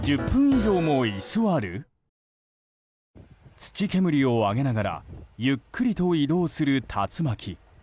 土煙を上げながらゆっくりと移動する竜巻。